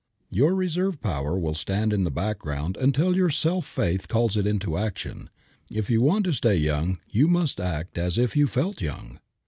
Your reserve power will stand in the background until your self faith calls it into action. If you want to stay young you must act as if you felt young.